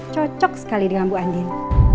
cocok sekali dengan bu andil